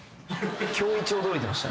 今日一驚いてました。